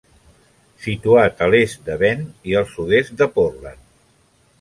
Situat a l'est de Bend i al sud-est de Portland.